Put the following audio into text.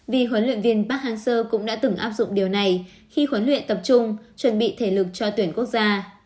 vì huấn luyện viên park hang seo cũng đã từng áp dụng điều này khi huấn luyện tập trung chuẩn bị thể lực cho tuyển quốc gia